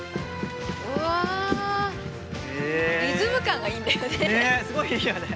うおリズム感がいいんだよね。